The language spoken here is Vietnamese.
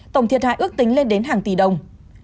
tổng thiệt hại ước tính lên đến hàng tỷ đồng